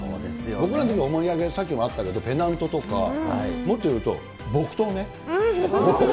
僕らのときはお土産、さっきもあったけど、ペナントとか、もっと言うと、木刀。